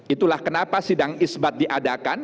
itulah kenapa sidang isbat diadakan